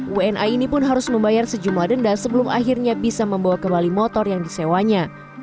wna ini pun harus membayar sejumlah denda sebelum akhirnya bisa membawa kembali motor yang disewanya